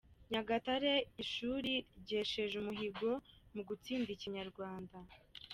Nyagatare Ishuri ryesheje umuhigo mu gutsinda Ikinyarwanda